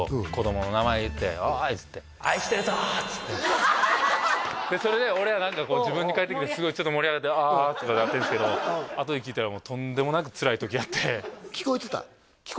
っつってでそれで俺は何かこう自分に返ってきてすごいちょっと盛り上がってああとかなってんすけどあとで聞いたらとんでもなくつらい時やって聞こえてた？